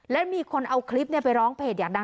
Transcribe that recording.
และมีคนเอาคลิปไปร้องเพจอยากดัง